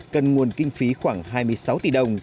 cần nguồn kinh phí khoảng hai mươi sáu tỷ đồng